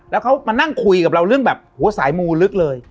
แล้วเขามานั่งคุยกับเราเรื่องแบบหัวสายมูลึกเลย